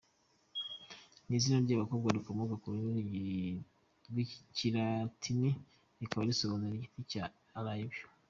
Ni izina ry’abakobwa rikomoka ku rurimi rw’Ikilatini rikaba risobanura “Igiti cya Elayo”.